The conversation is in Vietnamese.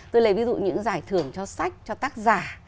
tôi lấy ví dụ những giải thưởng cho sách cho tác giả